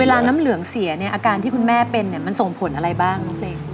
น้ำเหลืองเสียเนี่ยอาการที่คุณแม่เป็นเนี่ยมันส่งผลอะไรบ้างน้องเพลง